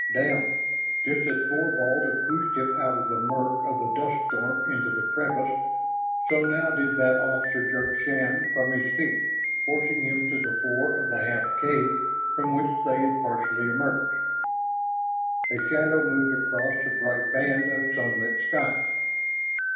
"Down!" Just as Thorvald had pushed him out of the murk of the dust storm into the crevice, so now did that officer jerk Shann from his feet, forcing him to the floor of the half cave from which they had partially emerged. A shadow moved across the bright band of sunlit sky.